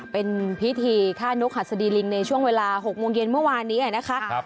เป็นพิธีฆ่านกหัสดีลิงในช่วงเวลา๖โมงเย็นเมื่อวานนี้นะคะ